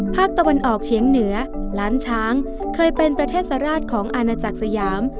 ภาคตะวันออกเฉียงเหนือล้านช้างเคยเป็นประเทศสราชของอาณาจักรสยาม